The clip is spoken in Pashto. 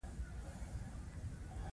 عظمت الله عمرزی ښه ال راونډر دی.